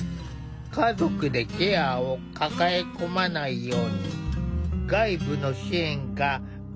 家族でケアを抱え込まないように外部の支援が欠かせない。